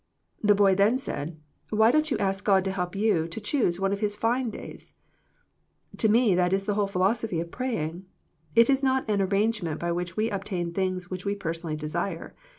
The boy then said, '' Why don't you ask God to help you to choose one of His fine days ?" To me that is the whole philosophy of praying. It is not an arrangement by which we obtain things which we personally desire.